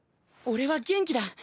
俺は元気だ。